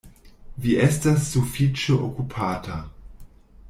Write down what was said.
Vi estas sufiĉe okupata.